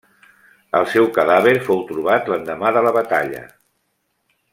El seu cadàver fou trobat l'endemà de la batalla.